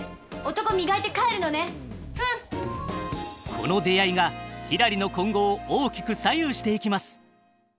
この出会いがひらりの今後を大きく左右していきます。